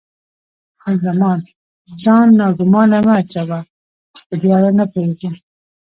خان زمان: ځان ناګومانه مه اچوه، چې په دې اړه نه پوهېږې.